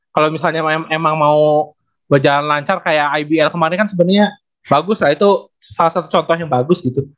kalau misalnya emang mau berjalan lancar kayak ibl kemarin kan sebenarnya bagus lah itu salah satu contoh yang bagus gitu